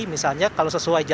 misalnya kalau sesuai jadinya